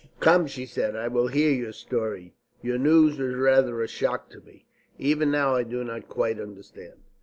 "Come," she said, "I will hear your story. Your news was rather a shock to me. Even now I do not quite understand."